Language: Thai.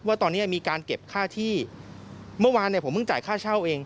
ว่าตอนนี้มีการเก็บค่าที่เมื่อวานเนี่ยผมเพิ่งจ่ายค่าเช่าเอง